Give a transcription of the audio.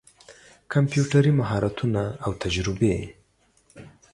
کمپيوټري مهارتونه او تجربې